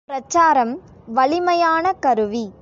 பிரச்சாரம் வலிமையான கருவி.